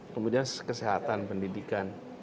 kemudian kesehatan pendidikan